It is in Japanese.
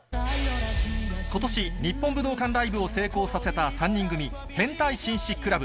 ことし、日本武道館ライブを成功させた３人組、変態紳士クラブ。